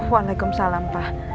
walaikum salam pak